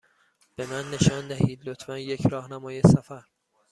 به من نشان دهید، لطفا، یک راهنمای سفر.